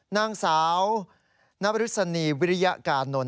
นางสาวนบริษณีวิริยกานนท์